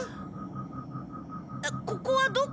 ここはどこ？